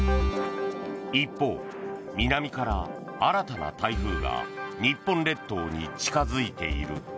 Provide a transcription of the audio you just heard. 一方、南から新たな台風が日本列島に近づいている。